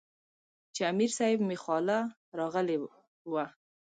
چې امير صېب مې خواله راغلے وۀ -